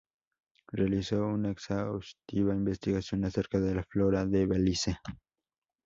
Realizó una exhaustiva investigación acerca de la flora de Belice.